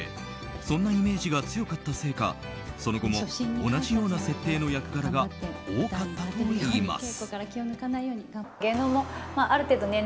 そんなイメージが強かったせいかその後も、同じような設定の役柄が多かったといいます。